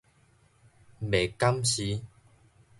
袂敢是